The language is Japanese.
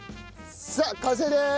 さあ完成です！